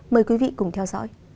mời quý vị cùng theo dõi